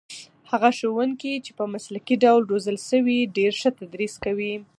هغه ښوونکي چې په مسلکي ډول روزل شوي ډېر ښه تدریس کوي.